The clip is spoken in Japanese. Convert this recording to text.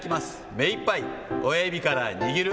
目いっぱい、親指から握る。